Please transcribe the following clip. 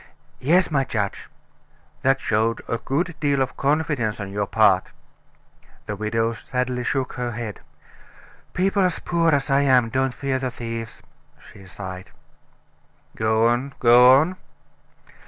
"Yes, my judge." "That showed a great deal of confidence on your part." The widow sadly shook her head. "People as poor as I am don't fear the thieves," she sighed. "Go on go on."